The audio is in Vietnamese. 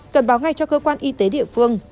cần báo ngay cho cơ quan y tế địa phương